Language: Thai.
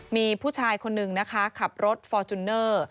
มีผู้ชายคนนึงนะคะขับรถฟอร์จูเนอร์